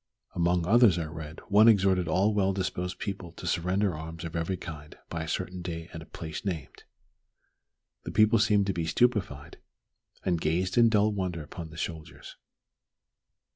Among others I read one exhorting all well disposed people to surrender arms of every kind by a certain day at a place named. The people seemed to be stupefied, and gazed in dull wonder upon the soldiers.